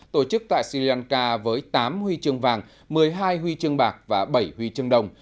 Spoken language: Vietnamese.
tổ chức tại sri lanka với tám huy chương vàng một mươi hai huy chương bạc và bảy huy chương đồng